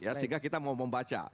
sehingga kita mau membaca